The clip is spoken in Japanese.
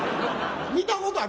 見たことある？